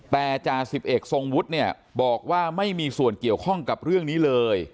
แต่จ่าสิบเอกทรงวุฒิเนี่ยบอกว่าไม่มีส่วนเกี่ยวข้องกับเรื่องนี้เลย